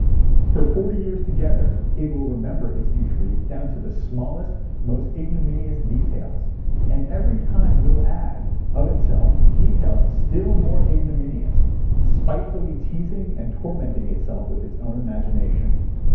For forty years together it will remember its injury down to the smallest, most ignominious details, and every time will add, of itself, details still more ignominious, spitefully teasing and tormenting itself with its own imagination.